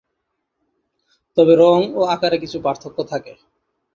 তবে রং ও আকারে কিছু পার্থক্য থাকে।